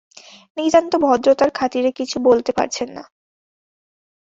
নিতান্ত ভদ্রতার খাতিরে কিছু বলতে পারছেন না।